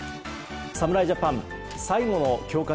侍ジャパン最後の強化